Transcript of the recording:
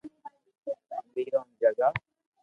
ویرون جگا